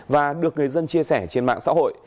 và được người dân chia sẻ trên mạng xã hội